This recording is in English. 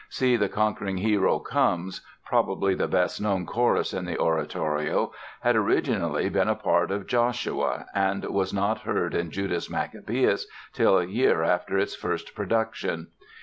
"See the conquering hero comes", probably the best known chorus in the oratorio, had originally been a part of "Joshua", and was not heard in "Judas Maccabaeus" till a year after its first production.